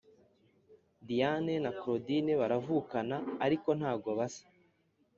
Diane na cloudine baravukana ariko ntago basa